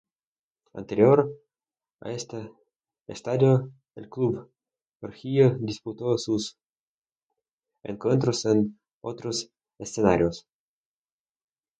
Anterior a este estadio, el club rojillo disputó sus encuentros en otros escenarios.